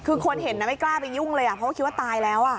คือคนเห็นไม่กล้าไปยุ่งเลยเพราะคิดว่าตายแล้ว